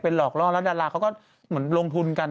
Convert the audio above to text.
หลอกล่อแล้วดาราเขาก็เหมือนลงทุนกัน